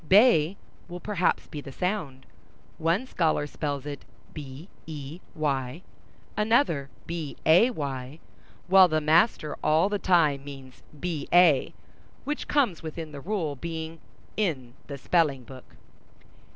"Bay" will perhaps be the sound; one scholar spells it "bey," another, "bay," while the master all the time means "ba," which comes within the rule, being in the spelling book.